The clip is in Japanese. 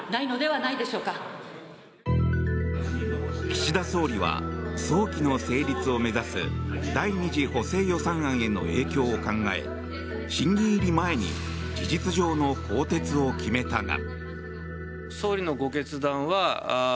岸田総理は早期の成立を目指す第２次補正予算案への影響を考え審議入り前に事実上の更迭を決めたが。